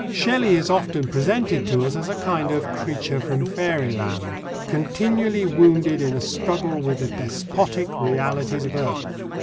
Shelley is often presented to us as a kind of creature from fairyland, continually wounded in a struggle with the despotic realities of earth.